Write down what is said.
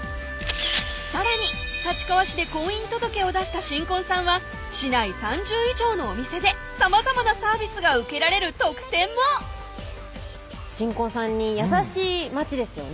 さらに立川市で婚姻届を出した新婚さんは市内３０以上のお店でさまざまなサービスが受けられる特典も新婚さんに優しい街ですよね